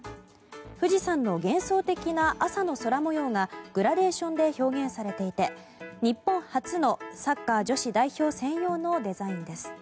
富士山の幻想的な朝の空模様がグラデーションで表現されていて日本初のサッカー女子代表専用のデザインです。